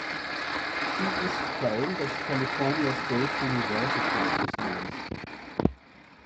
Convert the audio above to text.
Sie ist Teil des California State University-Systems.